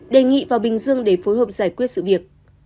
đề nghị vào bình dương để phối hợp giải quyết sự việc